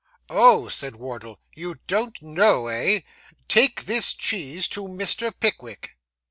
'Oh,' said Wardle, 'you don't know, eh? Take this cheese to Mr. Pickwick.